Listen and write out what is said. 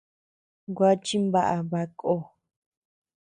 Gua chimbaʼa baʼa ko.